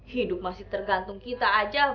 hidup masih tergantung kita aja